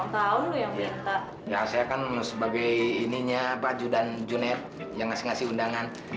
tahu yang minta ya saya akan menurut sebagai ininya baju dan junaid yang ngasih undangan